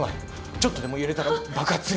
ちょっとでも揺れたら爆発する。